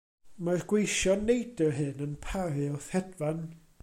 Mae'r gweision neidr hyn yn paru wrth hedfan.